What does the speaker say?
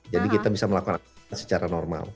jadi kita bisa melakukan secara normal